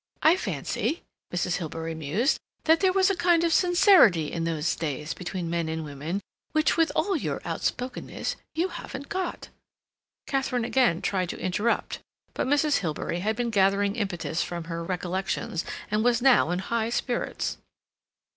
I fancy," Mrs. Hilbery mused, "that there was a kind of sincerity in those days between men and women which, with all your outspokenness, you haven't got." Katharine again tried to interrupt. But Mrs. Hilbery had been gathering impetus from her recollections, and was now in high spirits.